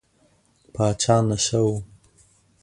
پاچا نشه و.